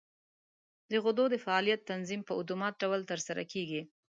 د غدو د فعالیت تنظیم په اتومات ډول تر سره کېږي.